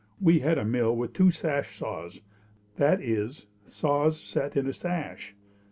We had a mill with two sash saws, that is, saws set in a sash.